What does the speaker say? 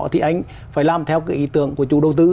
thì anh phải làm theo cái ý tưởng của chủ đầu tư